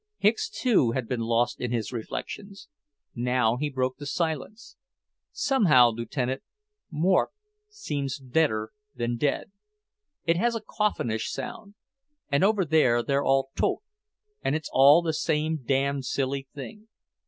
Hicks, too, had been lost in his reflections. Now he broke the silence. "Somehow, Lieutenant, 'mort' seems deader than 'dead.' It has a coffinish sound. And over there they're all 'tod,' and it's all the same damned silly thing.